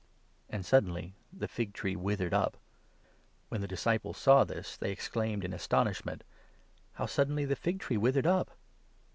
And suddenly the fig tree withered up. When the disciples 20 saw this, they exclaimed in astonishment :" How suddenly the fig tree withered up